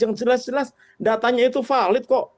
yang jelas jelas datanya itu valid kok